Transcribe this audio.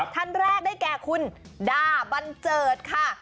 ท่านแรกได้แก่คุณด้าบันเจิดค่ะ